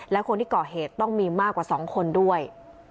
และคนที่ก่อเหตุต้องมีมากกว่า๒คนด้วย